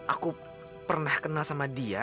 aku pernah kenal sama dia